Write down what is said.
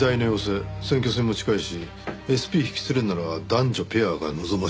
選挙戦も近いしＳＰ引き連れるなら男女ペアが望ましい。